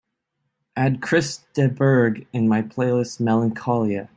add Chris de Burgh in my playlist melancholia